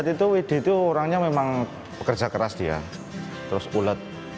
saat itu widhi itu orangnya memang pekerja keras dia terus ulet